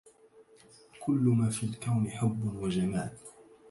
كل ما في الكون حب وجمال